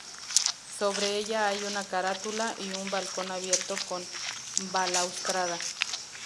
Sobre ella hay una carátula y un balcón abierto con balaustrada.